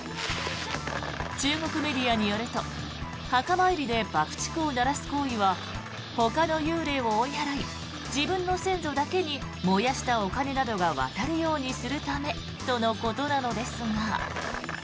中国メディアによると墓参りで爆竹を鳴らす行為はほかの幽霊を追い払い自分の先祖だけに燃やしたお金などが渡るようにするためとのことなのですが。